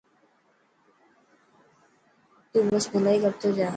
تون بس ڀلائ ڪر تو جا.